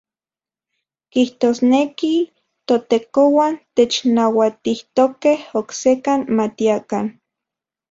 Kijtosneki ToTekouan technauatijtokej oksekan matiakan.